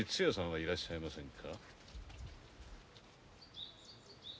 いらっしゃいませんか！？